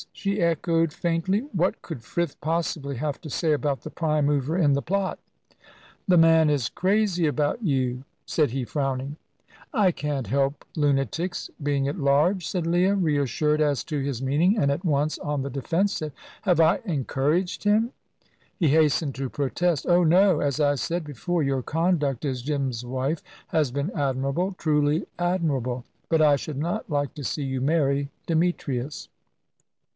she echoed faintly. What could Frith possibly have to say about the prime mover in the plot? "The man is crazy about you," said he, frowning. "I can't help lunatics being at large," said Leah, reassured as to his meaning and at once on the defensive. "Have I encouraged him?" He hastened to protest. "Oh no. As I said before, your conduct as Jim's wife has been admirable truly admirable. But I should not like to see you marry Demetrius."